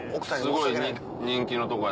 すごい人気のとこやった。